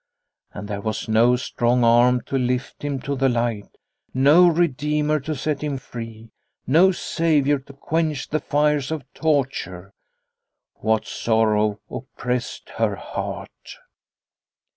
And there was no strong arm to lift him to the light, no redeemer to set him free, no saviour to quench the fires of torture. What sorrow oppressed her heart